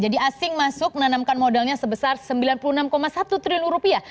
jadi asing masuk menanamkan modalnya sebesar sembilan puluh enam satu triliun rupiah